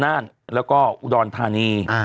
นัตน์และอุดรณ์ภารี